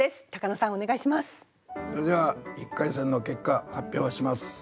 それでは１回戦の結果発表します。